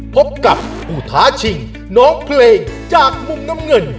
พบกับผู้ท้าชิงน้องเพลงจากมุมน้ำเงิน